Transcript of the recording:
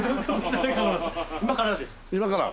今から？